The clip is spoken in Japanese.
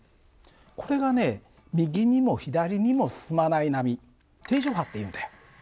これがね右にも左にも進まない波定常波っていうんだよ。